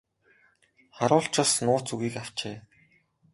Харуул ч бас нууц үгийг авчээ.